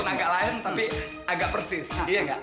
nangka lain tapi agak persis iya nggak